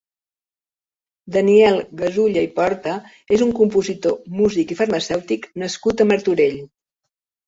Daniel Gasulla i Porta és un compositor, músic i farmacèutic nascut a Martorell.